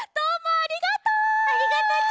ありがとち！